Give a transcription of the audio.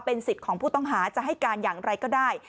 สิทธิ์ของผู้ต้องหาจะให้การอย่างไรก็ได้